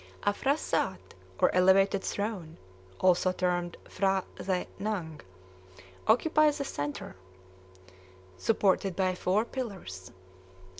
A phrasat, or elevated throne (also termed p'hra the nang), occupies the centre, supported by four pillars.